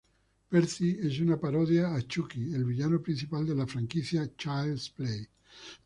Percy es una parodia a Chucky, el villano principal de la franquicia "Child's Play".